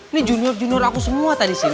ini junior junior aku semua tadi sih